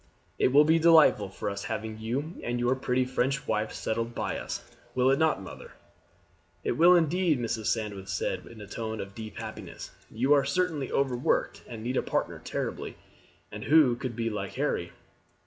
It will be delightful for us having you and your pretty French wife settled by us; will it not, mother?" "It will indeed," Mrs. Sandwith said in a tone of deep happiness. "You are certainly overworked and need a partner terribly, and who could be like Harry?"